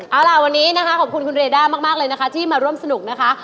เอาล่ะวันนี้นะคะขอบคุณคุณเรด้ามากเลยนะคะที่มาร่วมสนุกนะคะ